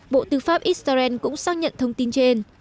bộ tư pháp israel cũng xác nhận thông tin trên